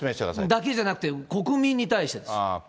だけじゃなくて、国民に対してです。